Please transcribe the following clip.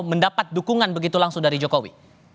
mendapat dukungan begitu langsung dari jokowi